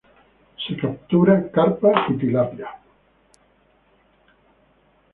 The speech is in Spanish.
Se captura carpa y tilapia.